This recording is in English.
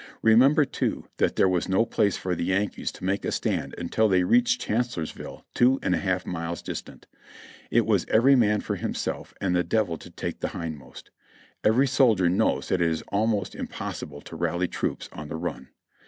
Remember, too, that there was no place for the Yankees to make a stand until they reached Chancellorsville two and a half miles distant. It was every man for himself and the Devil to take the hindmost. Every soldier knows that it is almost impossible to rally troops on the run.